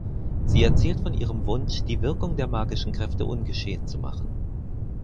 Sie erzählt von ihrem Wunsch, die Wirkung der magischen Kräfte ungeschehen zu machen.